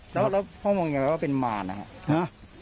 แล้วพ่อมองยังไงว่าเป็นมารนะครับ